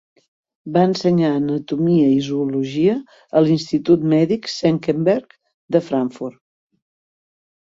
Va ensenyar anatomia i zoologia a l'Institut Mèdic Senckenberg de Frankfurt.